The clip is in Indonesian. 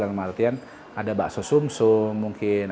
dalam artian ada bakso sumsum mungkin